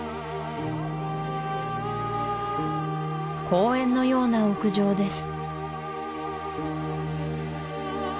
公園のような屋上です